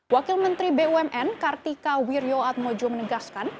wakil menteri bumn kartika wirjoatmojo menegaskan